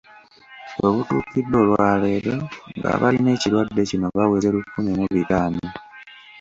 We butuukidde olwaleero ng'abalina ekirwadde kino baweze lukumi mu bitaano.